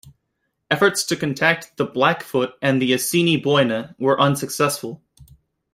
Efforts to contact the Blackfoot and the Assiniboine were unsuccessful.